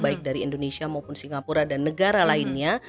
baik dari indonesia maupun singapura dan negara lainnya